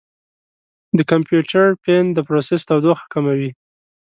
د کمپیوټر فین د پروسیسر تودوخه کموي.